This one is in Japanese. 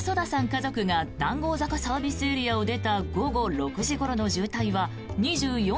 家族が談合坂ＳＡを出た午後６時ごろの渋滞は２４ｋｍ。